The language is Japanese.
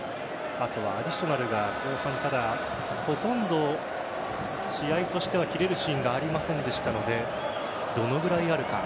あとはアディショナルが後半ほとんど試合としては切れるシーンがありませんでしたのでどのぐらいあるか。